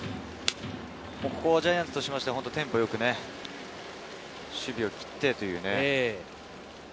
ジャイアンツとしましては、テンポよく守備を切って。